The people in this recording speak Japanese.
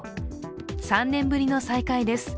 ３年ぶりの再開です。